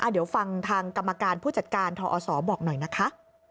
เดี๋ยวฟังทางกรรมการผู้จัดการทอศบอกหน่อยนะคะ